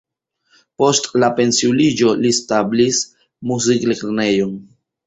Post la pensiuliĝo li establis muziklernejon.